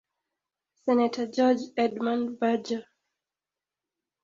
Senator George Edmund Badger.